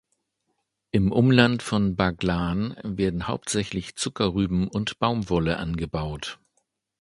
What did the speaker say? Im Umland von Baglan werden hauptsächlich Zuckerrüben und Baumwolle angebaut.